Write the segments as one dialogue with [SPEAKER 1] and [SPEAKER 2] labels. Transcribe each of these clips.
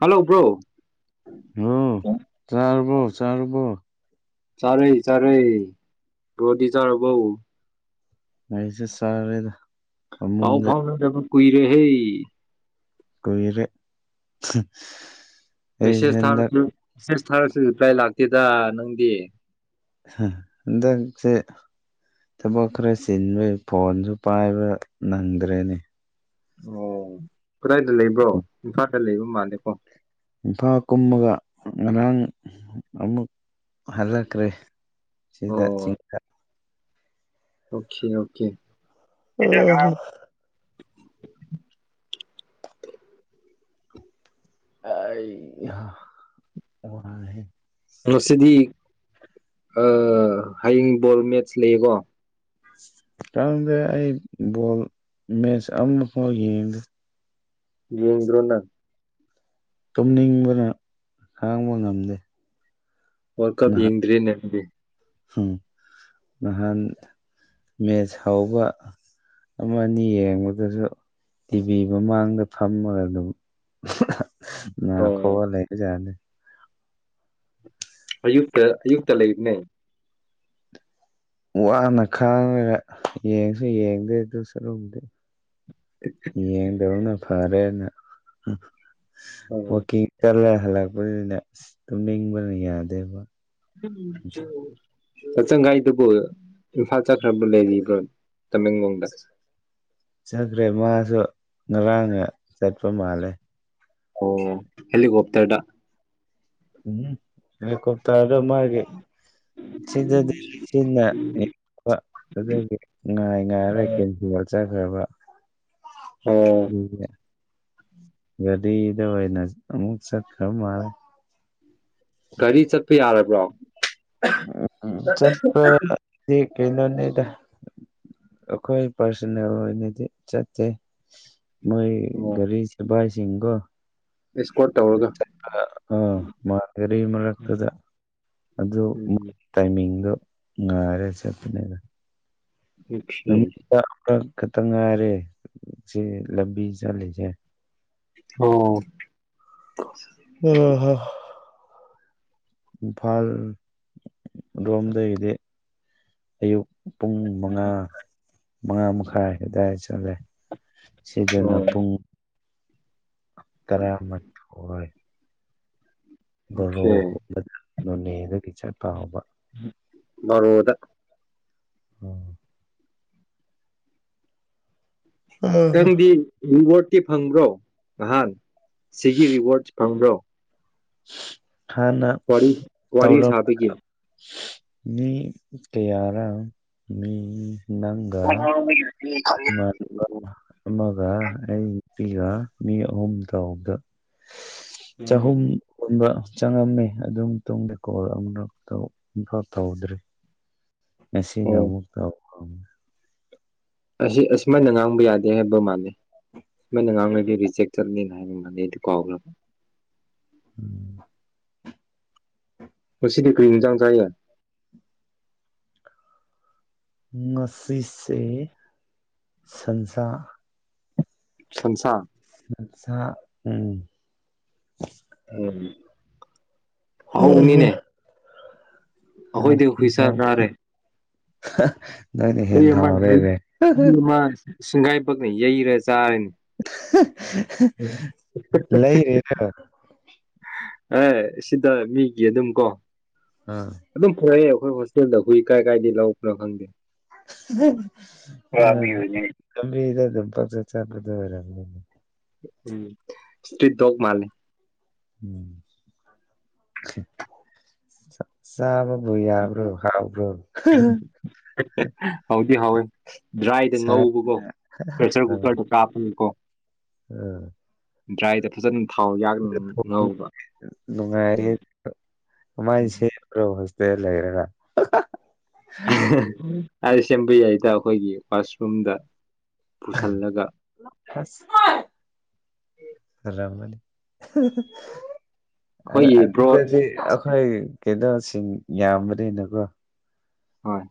[SPEAKER 1] hello bro
[SPEAKER 2] ꯑꯣ ꯆꯥꯔꯕꯣ ꯆꯥꯔꯕꯣ
[SPEAKER 1] ꯆꯥꯔꯦ ꯆꯔꯦ ꯄ꯭ꯔꯣꯗꯤ ꯆꯔꯕꯣ
[SPEAKER 2] ꯑꯩꯁꯦ ꯆꯥꯔꯦꯗ
[SPEAKER 1] ꯄꯥꯎ
[SPEAKER 2] ꯐꯃꯨꯡꯗ
[SPEAKER 1] ꯐꯥꯎꯅꯗꯕ ꯀꯨꯏꯔꯦ ꯍꯦ
[SPEAKER 2] ꯀꯨꯏꯔꯦ ꯑꯩꯁꯦ
[SPEAKER 1] ꯃꯦꯁꯦꯁ
[SPEAKER 2] ꯍꯟꯗꯛ
[SPEAKER 1] ꯊꯥꯔꯁꯨ ꯃꯦꯁꯦꯁ ꯊꯥꯔꯁꯨ ꯔꯤꯄ꯭ꯂꯥꯏ ꯂꯥꯛꯇꯦꯗ ꯅꯪꯗꯤ
[SPEAKER 2] ꯁꯥ ꯍꯟꯗꯛꯁꯦ ꯊꯕꯛ ꯈꯔ ꯆꯤꯟꯕꯩ ꯐꯣꯟꯁꯨ ꯄꯥꯏꯕ ꯅꯪꯗ꯭ꯔꯦꯅꯦ
[SPEAKER 1] ꯑꯣ ꯀꯗꯥꯏꯗ ꯂꯩꯕ꯭ꯔꯣ ꯏꯝꯐꯥꯜꯗ ꯂꯩꯕ ꯃꯥꯜꯂꯦꯀꯣ
[SPEAKER 2] ꯏꯝꯐꯥꯜ ꯀꯨꯝꯃꯒ ꯉꯔꯥꯡ ꯑꯃꯨꯛ ꯍꯜꯂꯛꯈ꯭ꯔꯦ ꯁꯤꯗꯥ
[SPEAKER 1] ꯑꯣ
[SPEAKER 2] ꯆꯤꯡꯗ
[SPEAKER 1] ꯑꯣꯀꯦ ꯑꯣꯀꯦ
[SPEAKER 2] ꯑꯩ ꯌꯥꯝ ꯋꯥꯔꯦ
[SPEAKER 1] ꯉꯁꯤꯗꯤ ꯑ ꯍꯌꯦꯡ ꯕꯣꯜ ꯃꯦꯠꯆ ꯂꯩꯌꯦꯀꯣ
[SPEAKER 2] ꯈꯪꯗꯦ ꯑꯩ ꯕꯣꯜ ꯃꯦꯆ ꯑꯃ ꯐꯥꯎ ꯌꯦꯡꯗꯦ
[SPEAKER 1] ꯌꯦꯡꯗ꯭ꯔꯣ ꯅꯪ
[SPEAKER 2] ꯇꯨꯝꯅꯤꯡꯕꯅ ꯈꯥꯡꯕ ꯉꯝꯗꯦ
[SPEAKER 1] ꯋꯥꯜ ꯀꯞ ꯌꯦꯡꯗ꯭ꯔꯦꯅꯦ ꯑꯗꯨꯗꯤ
[SPEAKER 2] ꯎꯝ ꯅꯍꯥꯟ ꯃꯦꯆ ꯍꯧꯎꯕ ꯑꯃ ꯑꯅꯤ ꯌꯦꯡꯕꯗꯁꯨ ꯇꯤꯚꯤ ꯃꯃꯥꯡꯗ ꯐꯝꯃꯒ ꯑꯗꯨꯝ ꯅꯥ
[SPEAKER 1] ꯑꯣ
[SPEAKER 2] ꯈꯣꯛꯑ ꯂꯩꯕ ꯖꯥꯠꯅꯤ
[SPEAKER 1] ꯑꯌꯨꯛꯇ ꯑꯌꯨꯛꯇ ꯂꯩꯕꯅꯦ
[SPEAKER 2] ꯋꯥꯅ ꯈꯥꯡꯉꯒ ꯌꯦꯡꯁꯨ ꯌꯦꯡꯗꯦ ꯑꯗꯨ ꯁꯔꯨꯛꯄꯨꯗꯤ ꯌꯦꯡꯗꯕꯅ ꯐꯔꯦꯅ
[SPEAKER 1] ꯑꯣ
[SPEAKER 2] ꯋꯥꯀꯤꯡ ꯆꯠꯂꯦ ꯍꯜꯂꯛꯄꯅꯤꯅ ꯑꯁ ꯇꯨꯝꯅꯤꯡꯕꯅ ꯌꯥꯗꯦꯕ
[SPEAKER 1] ꯀꯆꯪꯒꯥꯏꯗꯨꯕꯨ ꯏꯝꯐꯥꯜ ꯆꯠꯈ꯭ꯔꯕꯔꯥ ꯂꯩꯔꯤꯕꯔꯣ ꯇꯃꯦꯡꯂꯣꯡꯗ
[SPEAKER 2] ꯁꯨ ꯉꯔꯥꯡꯅ ꯆꯠꯄ ꯃꯥꯜꯂꯦ
[SPEAKER 1] ꯑꯣ ꯍꯦꯂꯤꯀꯣꯞꯇꯔꯗ
[SPEAKER 2] ꯎꯝ ꯍꯦꯂꯤꯀꯣꯞꯇꯔꯗ ꯃꯥꯒꯤ ꯁꯤꯗꯗꯤ ꯂꯤꯁꯤꯡ ꯑꯗꯨꯗꯤ ꯉꯥꯏ ꯉꯥꯏꯔꯔꯣꯏ
[SPEAKER 1] ꯑꯣ
[SPEAKER 2] ꯀꯦꯟꯇꯤꯟ ꯍꯥꯏꯕ
[SPEAKER 1] ꯑꯣ
[SPEAKER 2] ꯒꯔꯤꯗ ꯑꯣꯏꯅ ꯑꯃꯨꯛ ꯁꯠ ꯈꯔ ꯃꯥꯜꯂꯦ
[SPEAKER 1] ꯒꯥꯔꯤ ꯆꯠꯄ ꯌꯥꯔꯕ꯭ꯔꯣ
[SPEAKER 2] ꯆꯠꯄ ꯗꯤ ꯀꯩꯅꯣꯅꯤꯗ ꯑꯈꯣꯏ ꯄꯔꯁꯅꯦꯜ ꯑꯣꯏꯅꯗꯤ ꯆꯠꯇꯦ ꯃꯣꯏ
[SPEAKER 1] ꯑꯣ
[SPEAKER 2] ꯒꯔꯤꯁꯤꯕꯥꯏ ꯁꯤꯡꯒꯣ
[SPEAKER 1] ꯑꯦꯁꯀꯣꯔꯠ ꯇꯧꯔꯒ
[SPEAKER 2] ꯑ ꯃꯥꯒ꯭ꯔꯤ ꯃꯔꯛꯇꯨꯗ ꯑꯗꯨ
[SPEAKER 1] ꯎꯝ
[SPEAKER 2] ꯇꯥꯏꯃꯤꯡꯗꯣ ꯉꯥꯏꯔ ꯆꯠꯄꯅꯦꯗ
[SPEAKER 1] ꯑꯣꯀꯦ
[SPEAKER 2] ꯅꯨꯃꯤ ꯈꯛꯇ ꯉꯥꯏꯔꯦ ꯁꯤ ꯂꯝꯕꯤ ꯆꯠꯂꯤꯁꯦ
[SPEAKER 1] ꯑꯣ
[SPEAKER 2] ꯎꯝ ꯏꯝꯐꯥꯜ ꯔꯣꯝꯗꯒꯤꯗꯤ ꯑꯌꯨꯛ ꯄꯨꯡ ꯃꯉꯥ ꯃꯉꯥ ꯃꯈꯥꯏ ꯑꯗꯨꯋꯥꯏ ꯆꯠꯂꯦ ꯁꯤꯗꯅ
[SPEAKER 1] ꯑꯣ
[SPEAKER 2] ꯄꯨꯡ ꯇꯥꯔꯥꯃꯥꯊꯣꯏ ꯕꯣꯔꯣ
[SPEAKER 1] ꯑꯣꯀꯦ
[SPEAKER 2] ꯍꯣꯂ ꯅꯣꯅꯦꯗꯒꯤ ꯆꯠꯄ ꯍꯧꯕ
[SPEAKER 1] ꯎꯝ ꯕꯥꯔꯣꯗ
[SPEAKER 2] ꯎꯝ ꯑ
[SPEAKER 1] ꯈꯥꯔꯗꯤ ꯔꯤꯋꯥꯔꯗꯇꯤ ꯐꯪꯕ꯭ꯔꯣ ꯅꯍꯥꯟ ꯁꯤꯒꯤ ꯔꯤꯋꯥꯔꯠ ꯐꯪꯕ꯭ꯔꯣ
[SPEAKER 2] ꯍꯥꯟꯅ
[SPEAKER 1] ꯋꯥꯔꯤ ꯋꯥꯔꯤ ꯁꯥꯕꯒꯤ
[SPEAKER 2] ꯇꯧꯔꯝꯕꯅꯦ
[SPEAKER 1] ꯎꯝ
[SPEAKER 2] ꯃꯤ ꯀꯌꯥꯔꯥ ꯃꯤ
[SPEAKER 1] [unintelligible]
[SPEAKER 2] ꯃꯥꯟꯅꯕ ꯑꯃꯒ ꯑꯩ ꯄꯤꯒ ꯃꯤ ꯑꯍꯨꯝ ꯇꯧꯎꯕꯗ ꯆꯍꯨꯝ ꯄꯨꯟꯕ ꯆꯪꯉꯝꯃꯤ ꯑꯗꯨ ꯃꯇꯨꯡꯗ ꯀꯣꯜ ꯑꯃ ꯑꯃꯨꯛꯐꯥꯎ ꯇꯧꯗ꯭ꯔꯤ ꯉꯁꯤꯅ
[SPEAKER 1] ꯑꯣ
[SPEAKER 2] ꯑꯃꯨꯛ ꯇꯧ ꯍꯧꯕꯅꯦ
[SPEAKER 1] ꯑꯁꯤ ꯑꯁꯨꯝꯃꯥꯏꯅ ꯉꯥꯡꯕ ꯌꯥꯗꯦ ꯍꯥꯏꯕ ꯃꯥꯥꯜꯂꯦ ꯁꯨꯃꯥꯏꯅ ꯉꯥꯡꯅꯒꯦꯗꯤ ꯔꯤꯖꯦꯛ ꯆꯠꯅꯤꯅ ꯍꯥꯏꯔꯝꯕꯅꯤ ꯑꯩꯗꯤ ꯀꯥꯎꯈ꯭ꯔꯕ
[SPEAKER 2] ꯎꯝ
[SPEAKER 1] ꯉꯁꯤꯗꯤ ꯀꯔꯤ ꯍꯦꯟꯁꯥꯡ ꯆꯥꯏꯌꯦ
[SPEAKER 2] ꯉꯁꯤꯁꯦ ꯁꯟꯁꯥ
[SPEAKER 1] ꯁꯟꯁꯥ
[SPEAKER 2] ꯁꯟꯁꯥ ꯎꯝ
[SPEAKER 1] ꯎꯝ ꯍꯥꯎꯕꯅꯤꯅꯦ
[SPEAKER 2] [unintelligible]
[SPEAKER 1] ꯑꯩꯈꯣꯏꯗꯤ
[SPEAKER 2] ꯍꯥꯎꯈꯤ
[SPEAKER 1] ꯍꯨꯏꯁꯥ
[SPEAKER 2] ꯍꯥꯎꯈꯤ
[SPEAKER 1] ꯆꯥꯔꯦ
[SPEAKER 2] ꯅꯪꯅ
[SPEAKER 1] ꯍꯨꯏ
[SPEAKER 2] ꯍꯦꯟꯅ
[SPEAKER 1] ꯑꯃ
[SPEAKER 2] ꯍꯥꯎꯔꯦꯅꯦ
[SPEAKER 1] ꯍꯨꯏ ꯑꯃ ꯁꯤꯡꯒꯥꯏꯕꯛꯅ ꯌꯩꯔꯁꯤ ꯇꯥꯏ
[SPEAKER 2] ꯂꯩꯔꯤꯔ
[SPEAKER 1] ꯑꯦ ꯁꯤꯗ ꯃꯤꯒꯤ ꯑꯗꯨꯝ ꯀꯣ ꯑꯗꯨꯝ ꯄꯨꯔꯛꯑꯦ ꯑꯩꯈꯣꯏ ꯍꯣꯁꯇꯦꯜꯗ ꯍꯨꯏ ꯀꯥꯏ ꯀꯥꯏꯗꯩ ꯂꯧꯕꯅꯣ ꯈꯪꯗꯦ
[SPEAKER 2] ꯑ ꯀꯝꯕꯤꯗꯣ ꯑꯗꯨꯝ ꯐꯖ ꯆꯥꯊꯗꯣꯏ ꯑꯣꯏꯔꯝꯒꯅꯤ
[SPEAKER 1] ꯎꯝ ꯁꯔꯤꯠ ꯗꯣꯛ ꯃꯥꯜꯂꯦ
[SPEAKER 2] ꯎꯝ ꯆꯥꯕꯕꯨ ꯌꯥꯕ꯭ꯔꯣ ꯍꯥꯎꯕ꯭ꯔꯣ
[SPEAKER 1] ꯊꯤ ꯍꯥꯎꯋꯦ ꯗ꯭ꯔꯥꯏꯗ
[SPEAKER 2] ꯁꯥꯕ꯭ꯔꯣ
[SPEAKER 1] ꯉꯧꯕꯀꯣ ꯄ꯭ꯔꯦꯁꯔ ꯀꯨꯀꯔꯗ ꯀꯥꯞꯄꯅꯤꯀꯣ
[SPEAKER 2] ꯑꯥ
[SPEAKER 1] ꯗ꯭ꯔꯥꯏ ꯗ ꯐꯖ
[SPEAKER 2] ꯅꯨꯡꯉꯥꯏꯔꯤ
[SPEAKER 1] ꯎꯝ ꯎꯝ
[SPEAKER 2] ꯃꯥꯏꯁꯦ ꯀꯔꯣꯁ ꯕꯤꯔ ꯂꯩꯔꯒ
[SPEAKER 1] ꯍꯥꯏ ꯁꯦꯝꯕ ꯌꯥꯏꯗ ꯑꯩꯈꯣꯏꯒꯤ ꯋꯥꯁꯔꯨꯝꯗ ꯄꯨꯁꯜꯂꯒ
[SPEAKER 2] ꯑꯁ ꯇꯜꯂꯝꯃꯅꯤ
[SPEAKER 1] ꯑꯩꯈꯣꯏꯒꯤ ꯕ꯭ꯔꯣ
[SPEAKER 2] ꯑꯗꯨꯗꯤ ꯑꯩꯈꯣꯏ ꯀꯦꯗꯁꯤꯡ ꯌꯥꯝꯕꯅꯤꯅꯀꯣ
[SPEAKER 1] ꯍꯣꯏ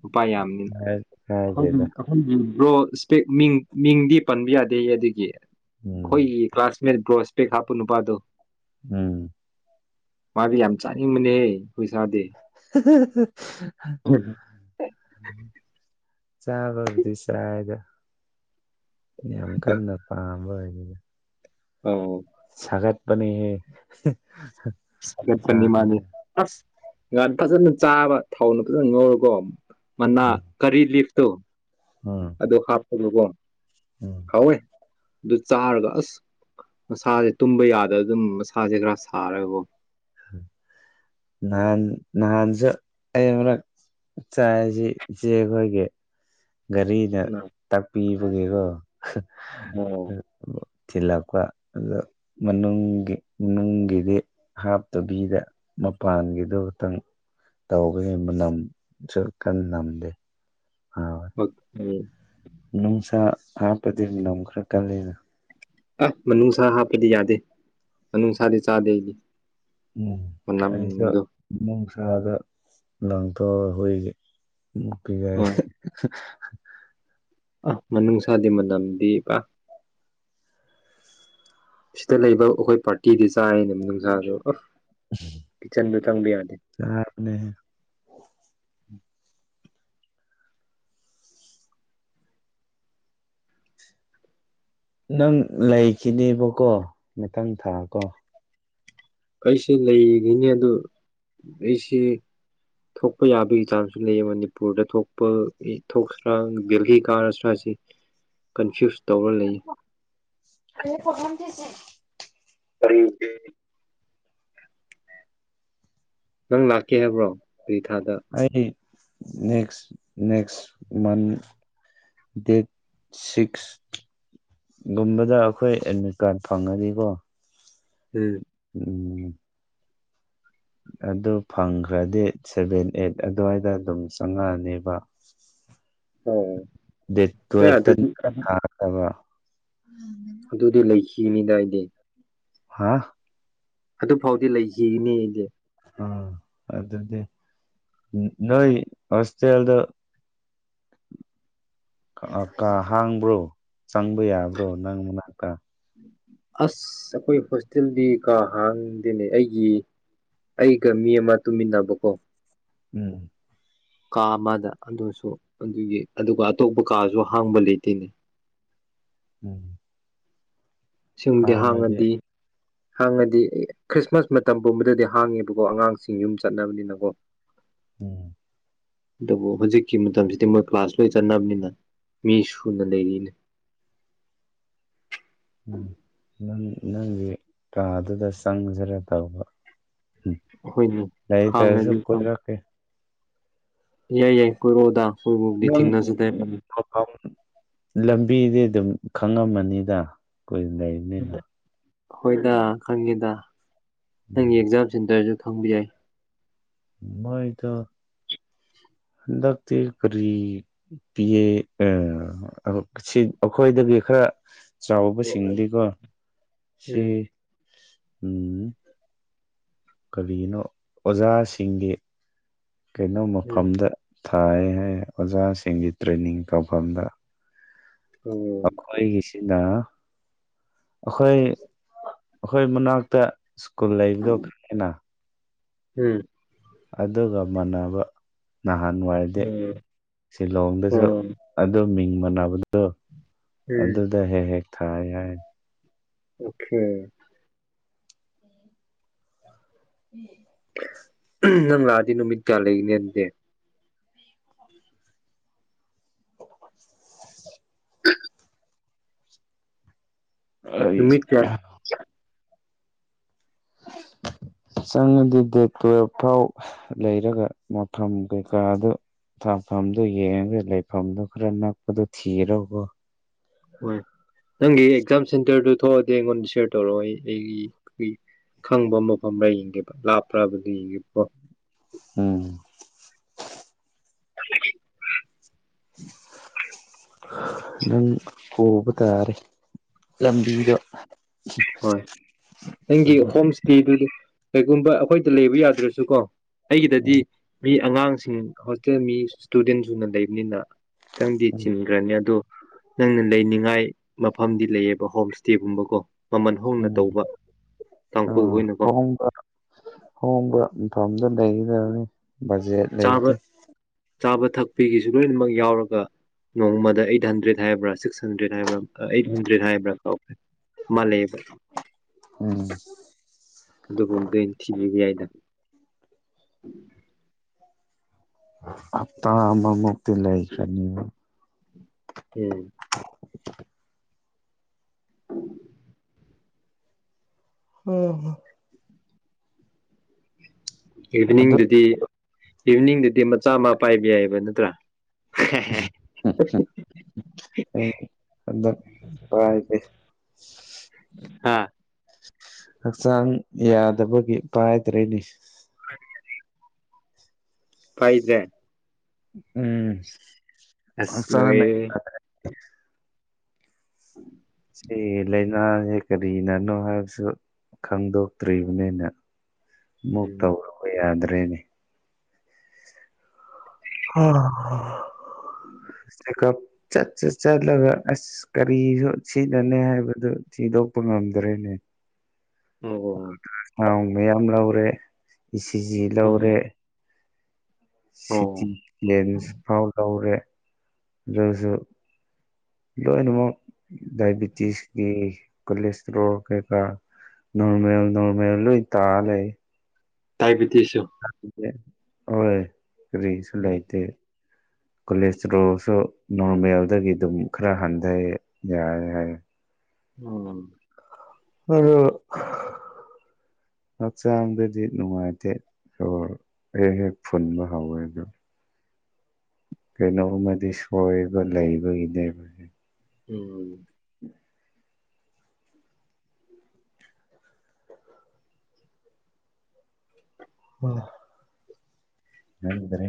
[SPEAKER 1] ꯅꯨꯄꯥ ꯌꯥꯝꯅꯤ
[SPEAKER 2] ꯍꯥꯏ
[SPEAKER 1] ꯑꯩꯈꯣꯏꯒꯤ
[SPEAKER 2] ꯀꯥꯏꯗꯦꯗ
[SPEAKER 1] ꯑꯩꯈꯣꯏꯒꯤ ꯕ꯭ꯔꯣ ꯃꯤꯡ ꯃꯤꯡꯗꯤ ꯄꯟꯕ ꯌꯥꯗꯦ ꯑꯗꯨꯗꯒꯤ
[SPEAKER 2] ꯎꯝ
[SPEAKER 1] ꯑꯩꯈꯣꯏꯒꯤ ꯀ꯭ꯂꯥꯁꯃꯦꯠ ꯕ꯭ꯔꯣꯁ ꯁꯄꯦꯛ ꯍꯥꯞꯄ ꯅꯨꯄꯥꯗꯣ
[SPEAKER 2] ꯎꯝ
[SPEAKER 1] ꯃꯥꯗꯤ ꯌꯥꯝ ꯆꯥꯅꯤꯡꯕꯅꯦ ꯍꯧꯏꯁꯥꯗꯤ
[SPEAKER 2] [unintelligible] ꯆꯥꯕꯕꯨꯗꯤ ꯆꯥꯏꯗ ꯌꯥꯝ ꯀꯟꯅ ꯄꯥꯝꯕ ꯑꯣꯏꯗꯦ
[SPEAKER 1] ꯑꯧ
[SPEAKER 2] ꯊꯥꯒꯠ ꯄꯅꯦ ꯍꯦ
[SPEAKER 1] ꯄꯅꯤ ꯃꯥꯅꯤ ꯑꯁ ꯉꯥꯍꯟ ꯐꯖꯅ ꯆꯥꯕ ꯊꯥꯎꯅ ꯐꯖꯅ ꯉꯧꯔꯀꯣ ꯃꯅꯥ
[SPEAKER 2] ꯎꯝ
[SPEAKER 1] ꯀꯔꯤ ꯂꯤꯐꯇꯣ
[SPEAKER 2] ꯎꯝ
[SPEAKER 1] ꯑꯗꯨ ꯍꯥꯞꯀꯅꯨꯀꯣ
[SPEAKER 2] ꯎꯝ
[SPEAKER 1] ꯍꯥꯎꯋꯦ ꯑꯗꯨ ꯆꯥꯔꯒ ꯑꯁ ꯃꯁꯥꯁꯦ ꯇꯨꯝꯕ ꯌꯥꯗ ꯑꯗꯨꯝ ꯃꯁꯥꯁꯦ ꯈꯔ ꯁꯥꯔꯒꯀꯣ
[SPEAKER 2] ꯅꯍꯥꯟ ꯅꯍꯥꯟꯁꯨ ꯑꯩ ꯑꯃꯨꯔꯛ ꯆꯥꯏꯁꯤ ꯏꯆꯦꯈꯣꯏꯒꯤ ꯒꯥꯔꯤꯅ ꯇꯥꯛꯄꯤꯕꯅꯦꯀꯣ
[SPEAKER 1] ꯑꯣ
[SPEAKER 2] ꯊꯤꯜꯂꯛꯄ ꯑꯗꯣ ꯃꯅꯨꯡꯒꯤ ꯃꯅꯨꯡꯒꯤꯗꯤ ꯍꯥꯞꯇꯕꯤꯗ ꯃꯄꯥꯟꯒꯤꯗꯨ ꯈꯛꯇꯪ ꯇꯧꯕꯒꯤ ꯃꯅꯝꯁꯨ ꯀꯟꯅ ꯅꯝꯗꯦ ꯍꯥꯎꯋꯦ
[SPEAKER 1] [unintelligible]
[SPEAKER 2] ꯍꯥꯥꯞꯄꯗꯤ ꯃꯅꯝ ꯈꯔ ꯀꯜꯂꯦꯅ
[SPEAKER 1] ꯑ ꯃꯅꯨꯡꯅꯨꯡꯁꯥ ꯍꯥꯞꯄꯗꯤ ꯌꯥꯗꯦ ꯃꯅꯨꯡꯁꯥꯗꯤ ꯆꯥꯗꯦ ꯑꯩꯗꯤ
[SPEAKER 2] ꯎꯝ ꯑꯩꯁꯨ
[SPEAKER 1] ꯃꯅꯝꯗꯣ ꯍꯣꯏ
[SPEAKER 2] [unintelligible]
[SPEAKER 1] ꯑ ꯃꯅꯨꯡꯅꯨꯡꯁꯥꯗꯤ ꯃꯅꯝꯗꯤ ꯄꯨꯔꯥ ꯁꯤꯗ ꯂꯩꯕ ꯑꯩꯈꯣꯏ ꯄꯥꯔꯇꯤꯗꯤ ꯆꯥꯏ ꯃꯅꯨꯡꯁꯥꯗꯣ ꯀꯤꯆꯟꯗ ꯆꯪꯕ ꯌꯥꯗꯦ
[SPEAKER 2] ꯆꯥꯕꯅꯦ ꯅꯪ ꯂꯩꯈꯤꯅꯦꯕꯀꯣ ꯃꯊꯪꯊꯥꯀꯣ
[SPEAKER 1] ꯑꯩꯁꯤ ꯂꯩꯈꯤꯅꯤ ꯑꯗꯨ ꯑꯩꯁꯤ ꯊꯣꯛꯄ ꯌꯥꯕꯒꯤ ꯆꯥꯟꯁꯨ ꯂꯩꯌꯦ ꯃꯅꯤꯄꯨꯔꯗ ꯊꯣꯛꯄ ꯊꯣꯛꯈ꯭ꯔꯒꯗꯤ [unintelligible]
[SPEAKER 2] [inaudible] [unintelligible]
[SPEAKER 1] [unintelligible] ꯅꯪ ꯂꯥꯛꯀꯦ ꯍꯥꯏꯕ꯭ꯔꯣ ꯀꯔꯤ ꯊꯥꯗ
[SPEAKER 2] ꯑꯩ next next month date six ꯒꯨꯝꯕꯗ ꯑꯩꯈꯣꯏ ꯑꯦꯗꯃꯤꯠ ꯀꯥꯔꯠ ꯐꯪꯉꯅꯤꯀꯣ
[SPEAKER 1] ꯎꯝ
[SPEAKER 2] ꯎꯝ ꯑꯗꯨ ꯐꯪꯈ꯭ꯔꯗꯤ ꯁꯦꯚꯦꯟ ꯑꯩꯠ ꯑꯗꯨꯋꯥꯏꯗ ꯑꯗꯨꯝ ꯆꯪꯉꯛ ꯑꯅꯦꯕ
[SPEAKER 1] ꯑꯣ
[SPEAKER 2] ꯗꯦꯠ
[SPEAKER 1] ꯑꯦ
[SPEAKER 2] ꯇꯨꯋꯦꯞꯇ
[SPEAKER 1] ꯑꯗꯨꯗꯤ
[SPEAKER 2] ꯀꯥ ꯍꯥꯡꯒꯗ꯭ꯔꯣ ꯎꯝ
[SPEAKER 1] ꯑꯗꯨꯗꯤ ꯂꯩꯈꯤꯅꯤ ꯗꯥꯏꯗꯤ
[SPEAKER 2] ꯍꯥꯥ
[SPEAKER 1] ꯑꯗꯨꯐꯥꯎꯗꯤ ꯂꯩꯈꯤꯅꯤ ꯑꯩꯗꯤ
[SPEAKER 2] ꯑꯥ ꯑꯗꯨꯗꯤ ꯅꯣꯏ ꯍꯣꯁꯇꯦꯜꯗꯣ ꯀꯥ ꯍꯥꯡꯕ꯭ꯔꯣ ꯆꯪꯕ ꯌꯥꯕ꯭ꯔꯣ ꯅꯪ ꯃꯅꯥꯛꯇ
[SPEAKER 1] ꯑꯁ ꯑꯩꯈꯣꯏ ꯍꯣꯁꯇꯦꯜꯗꯤ ꯀꯥ ꯍꯥꯡꯗꯦꯅꯦ ꯑꯩꯒꯤ ꯑꯩꯒ ꯃꯤ ꯑꯃ ꯇꯨꯃꯤꯟꯅꯕꯀꯣ
[SPEAKER 2] ꯎꯝ
[SPEAKER 1] ꯀꯥ ꯑꯃꯗ ꯑꯗꯨꯁꯨ ꯑꯗꯨꯒꯤ ꯑꯗꯨꯒ ꯑꯇꯣꯞꯄ ꯀꯥꯁꯨ ꯍꯥꯡꯕ ꯂꯩꯇꯦꯅꯦ
[SPEAKER 2] ꯎꯝ
[SPEAKER 1] ꯁꯨꯝꯗꯤ ꯍꯥꯡꯉꯗꯤ ꯍꯥꯡꯉꯗꯤ ꯈ꯭ꯔꯤꯁꯃꯥꯁ ꯃꯇꯝ ꯄꯨꯝꯕꯗꯗꯤ ꯍꯥꯡꯉꯦꯕꯀꯣ ꯑꯉꯥꯡꯁꯤꯡ ꯌꯨꯝ ꯆꯠꯅꯕꯅꯤꯅꯀꯣ
[SPEAKER 2] ꯎꯝ
[SPEAKER 1] ꯑꯗꯨꯕꯨ ꯍꯧꯖꯤꯛꯀꯤ ꯃꯇꯝꯁꯤꯗꯤ ꯃꯣꯏ ꯀ꯭ꯂꯥꯁ ꯂꯣꯏ ꯆꯠꯅꯕꯅꯤꯅ ꯃꯤꯁꯨꯨꯅ ꯂꯩꯔꯤꯅꯦ
[SPEAKER 2] [inaudible] ꯎꯝ ꯅꯪ ꯅꯪꯒꯤ ꯀꯥꯗꯨꯗ ꯆꯪꯖꯤꯔꯥ ꯇꯧꯕ
[SPEAKER 1] ꯑꯩꯈꯣꯏꯅ
[SPEAKER 2] ꯂꯩꯇ꯭ꯔꯁꯨ
[SPEAKER 1] ꯍꯥꯡꯉꯗꯤ
[SPEAKER 2] ꯀꯣꯏꯔꯛꯀꯦ
[SPEAKER 1] ꯌꯥꯏ ꯌꯥꯏ ꯀꯣꯏꯔꯣꯛꯑꯣꯗ ꯑꯩꯈꯣꯏꯔꯣꯝꯗꯤ
[SPEAKER 2] ꯅꯪ
[SPEAKER 1] ꯊꯦꯡꯅꯖꯤꯗ
[SPEAKER 2] ꯃꯐꯝ ꯂꯝꯕꯤꯗꯤ ꯑꯗꯨꯝ ꯈꯪꯉꯝꯃꯅꯤꯗ ꯀꯨꯏꯅ ꯂꯩꯕꯅꯤꯅ
[SPEAKER 1] ꯍꯣꯏꯗ ꯈꯪꯉꯦꯗ ꯅꯪꯒꯤ
[SPEAKER 2] ꯎꯝ
[SPEAKER 1] ꯑꯦꯛꯖꯥꯝ ꯁꯦꯟꯇꯔꯁꯨ ꯈꯪꯕ ꯌꯥꯏ
[SPEAKER 2] ꯃꯣꯏꯗꯣ ꯍꯟꯗꯛꯇꯤ ꯀꯔꯤ ꯄꯤ ꯑꯦ ꯑ ꯑꯧ ꯀꯁꯤꯟ ꯑꯩꯈꯣꯏꯗꯒꯤ ꯈꯔ
[SPEAKER 1] ꯎꯝ
[SPEAKER 2] ꯆꯥꯎꯕꯁꯤꯡꯗꯤꯀꯣ ꯁꯤ ꯎꯝ ꯀꯔꯤꯅꯣ ꯑꯣꯖꯥꯁꯤꯡꯒꯤ ꯀꯩꯅꯣ ꯃꯐꯝꯗ ꯊꯥꯔꯅꯤ ꯍꯥꯏꯅꯦ ꯑꯣꯖꯁꯤꯡꯒꯤ ꯇ꯭ꯔꯦꯟꯅꯤꯡ ꯇꯧꯐꯝꯗ
[SPEAKER 1] ꯎꯝ
[SPEAKER 2] ꯑꯈꯣꯏꯒꯤꯁꯤꯅ ꯑꯈꯣꯏ ꯑꯈꯣꯏ ꯃꯅꯥꯛꯇ ꯁ꯭ꯀꯨꯜ ꯂꯩꯕꯗꯣ ꯈꯪꯉꯦꯅ
[SPEAKER 1] ꯎꯝ
[SPEAKER 2] ꯑꯗꯨꯒ ꯃꯥꯟꯅꯕ ꯅꯍꯥꯟꯋꯥꯏꯗꯤ
[SPEAKER 1] ꯎꯝ
[SPEAKER 2] ꯁꯤꯂꯣꯡꯗꯁꯨ
[SPEAKER 1] ꯎꯝ ꯎꯝ
[SPEAKER 2] ꯑꯗꯨ ꯃꯤꯡ ꯃꯥꯟꯅꯕꯗꯣ
[SPEAKER 1] ꯎꯝ
[SPEAKER 2] ꯑꯗꯨꯗ ꯍꯦꯛ ꯍꯦꯛ ꯊꯥꯏ ꯍꯥꯏ
[SPEAKER 1] ꯑꯣ ꯀꯦ
[SPEAKER 2] [unintelligible]
[SPEAKER 1] ꯅꯪ ꯂꯥꯛꯑꯗꯤ ꯅꯨꯃꯤꯠ ꯀꯌꯥ ꯂꯩꯒꯅꯤ ꯑꯗꯨꯗꯤ
[SPEAKER 2] [inaudible] ꯑꯩ
[SPEAKER 1] ꯅꯨꯃꯤꯠ ꯀꯌꯥ
[SPEAKER 2] [inaudible] ꯆꯪꯉꯗꯤ ꯗꯦꯠ ꯇꯨꯋꯦꯜꯐ ꯐꯥꯎ ꯂꯩꯔꯒ ꯃꯐꯝ ꯀꯩꯀꯥꯗꯨ ꯊꯝꯐꯝꯗꯨ ꯌꯦꯡꯉꯒ ꯂꯩꯐꯝꯗꯨ ꯈꯔ ꯅꯛꯄꯗꯣ ꯊꯤꯔꯒꯀꯣ
[SPEAKER 1] ꯍꯣꯏ ꯅꯪꯒꯤ ꯑꯦꯛꯖꯥꯝ ꯁꯦꯟꯇꯔꯗꯨ ꯊꯣꯛꯑꯗꯤ ꯑꯩꯉꯣꯟꯗ ꯁꯤꯌꯔ ꯇꯧꯔꯛꯑꯣ ꯑꯩ ꯑꯩꯒꯤ ꯑꯩ ꯈꯪꯕ ꯃꯐꯝꯔ ꯌꯦꯡꯒꯦꯕ ꯂꯥꯞꯄ꯭ꯔꯕꯨꯗꯤ ꯌꯦꯡꯒꯦꯀꯣ
[SPEAKER 2] ꯎꯝ
[SPEAKER 1] [inaudible]
[SPEAKER 2] ꯅꯪ ꯍꯧꯕ ꯇꯥꯔꯦ ꯂꯝꯕꯤꯗꯣ [inaudible]
[SPEAKER 1] ꯍꯣꯏ ꯅꯪꯒꯤ ꯍꯣꯝ ꯁ꯭ꯇꯦꯗꯨꯗꯤ ꯀꯩꯒꯨꯝꯕ ꯑꯩꯈꯣꯏꯗ ꯂꯩꯕ ꯌꯥꯗ꯭ꯔꯁꯨ ꯀꯣ ꯑꯩꯒꯤꯗꯗꯤ
[SPEAKER 2] ꯎꯝ
[SPEAKER 1] ꯃꯤ ꯑꯉꯥꯡꯁꯤꯡ ꯍꯣꯁꯇꯦꯜ ꯃꯤ ꯁ꯭ꯇꯨꯗꯦꯟ ꯁꯨꯅ ꯂꯩꯕꯅꯤꯅ ꯇꯪꯗꯤ ꯆꯤꯟꯒ꯭ꯔꯅꯤ ꯑꯗꯣ ꯅꯪꯅ ꯂꯩꯅꯤꯡꯉꯥꯏ ꯃꯐꯝꯗꯤ ꯂꯩꯌꯦꯕꯀꯣ ꯍꯣꯝ ꯁ꯭꯭ꯇꯦꯒꯨꯝꯕꯀꯣ ꯃꯃꯜ ꯍꯣꯡꯅ ꯇꯧꯕ
[SPEAKER 2] ꯑ
[SPEAKER 1] ꯇꯥꯡꯈꯨꯜ ꯈꯣꯏꯅꯀꯣ
[SPEAKER 2] ꯑꯍꯣꯡꯕ ꯍꯣꯡꯕ ꯃꯐꯝꯗ ꯂꯩꯒꯗꯕꯅꯤ ꯕꯖꯦꯠ
[SPEAKER 1] ꯆꯥꯕ
[SPEAKER 2] ꯂꯩꯇꯦ
[SPEAKER 1] ꯆꯥꯕ ꯊꯛꯄꯤꯒꯤꯁꯨ ꯂꯣꯏꯅꯃꯛ ꯌꯥꯎꯔꯒ ꯅꯣꯡꯃꯗ ꯑꯩꯠ ꯍꯟꯗ꯭ꯔꯦꯠ ꯍꯥꯏꯕ꯭ꯔꯥ ꯁꯤꯛꯁ ꯍꯟꯗ꯭ꯔꯦꯠ ꯍꯥꯏꯕ꯭ꯔꯥ ꯑꯩꯠ ꯍꯟꯗ꯭ꯔꯦꯠ ꯍꯥꯏꯕ꯭ꯔꯥ ꯀꯥꯎꯈ꯭ꯔꯦ ꯃꯥ ꯂꯩꯕꯩ
[SPEAKER 2] ꯎꯝ
[SPEAKER 1] ꯑꯗꯨꯒꯨꯝꯕꯗꯤ ꯑꯩꯅ ꯊꯤꯕꯤꯕ ꯌꯥꯏꯗ
[SPEAKER 2] ꯍꯞꯇ ꯑꯃꯃꯨꯛꯇꯤ ꯂꯩꯥꯈ꯭ꯔꯅꯤꯕ
[SPEAKER 1] ꯎꯝ [inaudible]
[SPEAKER 2] ꯑꯥꯍ ꯑꯗꯨ
[SPEAKER 1] ꯏꯚꯤꯅꯤꯡꯗꯗꯤ ꯏꯚꯤꯅꯤꯡꯗꯗꯤ ꯃꯆꯥ ꯑꯃ ꯄꯥꯏꯕ ꯌꯥꯏꯌꯦꯕ ꯅꯠꯇ꯭ꯔꯥ
[SPEAKER 2] [unintelligible] ꯑꯩꯗꯤ ꯍꯟꯗꯛ ꯄꯥꯏꯗꯦ [inaudible]
[SPEAKER 1] ꯍꯥꯥ
[SPEAKER 2] ꯍꯛꯆꯥꯡ ꯌꯥꯗꯕꯒꯤ ꯄꯥꯏꯗ꯭ꯔꯦꯅꯤ
[SPEAKER 1] ꯄꯥꯏꯗ꯭ꯔꯦ
[SPEAKER 2] ꯎꯝ
[SPEAKER 1] ꯑꯁ
[SPEAKER 2] ꯍꯛꯆꯥꯡꯅ
[SPEAKER 1] ꯂꯣꯏꯔꯦ
[SPEAKER 2] ꯌꯥꯗ꯭ꯔꯦ
[SPEAKER 1] [inaudible]
[SPEAKER 2] ꯁꯤ ꯂꯥꯏꯅꯥꯁꯦ ꯀꯔꯤꯅꯅꯣ ꯍꯥꯏꯕꯁꯨ ꯈꯪꯗꯣꯛꯇ꯭ꯔꯤꯕꯅꯤꯅ ꯃꯨꯛ
[SPEAKER 1] ꯎꯝ
[SPEAKER 2] ꯇꯧꯔꯨꯕ ꯌꯥꯗ꯭ꯔꯦꯅꯦ [unintelligible] ꯆꯠꯁꯨ ꯆꯠꯂꯒ ꯑꯁ ꯀꯔꯤꯔꯣ ꯁꯤꯅꯅꯤ ꯍꯥꯏꯕꯗꯨ ꯊꯤꯗꯣꯛꯄ ꯉꯝꯗ꯭ꯔꯦꯅꯦ
[SPEAKER 1] ꯑꯣ ꯍꯣꯏ ꯍꯣꯏ
[SPEAKER 2] ꯁꯥꯎꯟ ꯃꯌꯥꯝ ꯂꯧꯔꯦ ꯏꯁꯤꯖꯤ
[SPEAKER 1] ꯎꯝ
[SPEAKER 2] ꯂꯧꯔꯦ
[SPEAKER 1] ꯑꯣ
[SPEAKER 2] ꯁꯤꯇꯤ ꯂꯦꯟꯁ ꯐꯥꯎ ꯂꯧꯔꯦ ꯑꯗꯨꯁꯨ ꯂꯣꯏꯅꯃꯛ ꯗꯥꯏꯕꯤꯇꯤꯁꯀꯤ ꯀꯣꯂꯦꯁꯇ꯭ꯔꯣꯜ ꯀꯩꯀꯥ ꯅꯣꯔꯃꯦꯜ ꯅꯣꯔꯃꯦꯜ ꯂꯣꯏ ꯇꯥꯂꯩ
[SPEAKER 1] ꯗꯥꯏꯕꯤꯇꯤꯁꯁꯨ
[SPEAKER 2] ꯍꯣꯏ ꯀꯔꯤꯁꯨ
[SPEAKER 1] ꯎꯝ
[SPEAKER 2] ꯂꯩꯇꯦ ꯀꯣꯂꯦꯁꯇ꯭ꯔꯣꯜꯁꯨ ꯅꯣꯔꯃꯦꯜꯗꯒꯤ ꯑꯗꯨꯝ ꯈꯔ ꯍꯟꯗꯩ ꯌꯥꯔꯦ ꯍꯥꯏ
[SPEAKER 1] ꯑꯣ
[SPEAKER 2] ꯑꯥ ꯍꯥ ꯍꯛꯆꯥꯡꯗꯗꯤ ꯅꯨꯡꯉꯥꯏꯇꯦ ꯁꯣꯔ ꯍꯦ ꯍꯦꯛ ꯐꯨꯟꯕ ꯍꯧꯋꯦ ꯑꯗꯣ ꯀꯩꯅꯣ ꯑꯃꯗꯤ ꯁꯣꯏꯕ ꯂꯩꯕꯒꯤꯅꯦ
[SPEAKER 1] ꯎꯝ
[SPEAKER 2] [unintelligible] ꯅꯩ ꯗ꯭ꯔꯦ